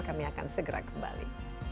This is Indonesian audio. kami akan segera kembali